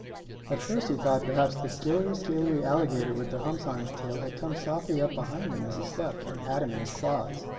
At first he thought perhaps the skillery scalery alligator with the humps on his tail had come softly up behind him as he slept and had him in his claws.